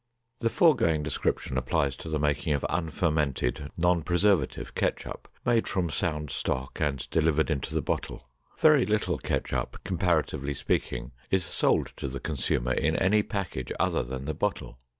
The foregoing description applies to the making of unfermented, non preservative ketchup, made from sound stock and delivered into the bottle. Very little ketchup, comparatively speaking, is sold to the consumer in any package other than the bottle.